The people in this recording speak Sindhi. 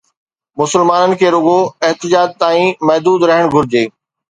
مسلمانن کي رڳو احتجاج تائين محدود رهڻ گهرجي